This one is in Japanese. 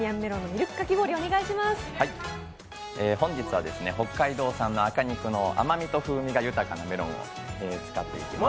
本日は北海道産の赤肉の、甘みと風味が豊かなメロンを使っていきます。